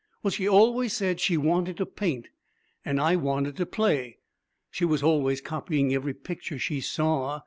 Well, she always said she wanted to paint, and I wanted to play. She was always copying every picture she saw.